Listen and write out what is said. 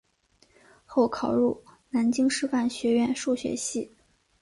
后考入南京师范学院数学系。